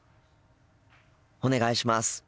お願いします。